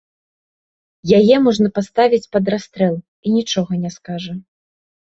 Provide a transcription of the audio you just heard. Яе можна паставіць пад расстрэл, і нічога не скажа.